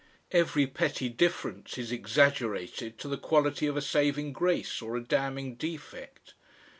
Every petty difference is exaggerated to the quality of a saving grace or a damning defect.